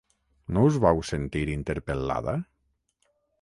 No us vau sentir interpel·lada?